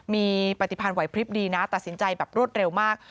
มีปฏิพันธ์ไหวพลิบดีนะตัดสินใจแบบรวดเร็วมาก